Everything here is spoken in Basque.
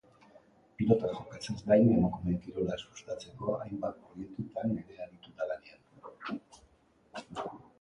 Pilotan jokatzeaz gain, emakumeen kirola sustatzeko hainbat proiektutan ere aritu da lanean.